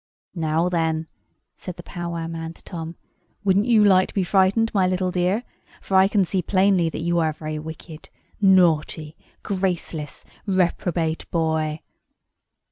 "Now, then," said the Powwow man to Tom, "wouldn't you like to be frightened, my little dear? For I can see plainly that you are a very wicked, naughty, graceless, reprobate boy."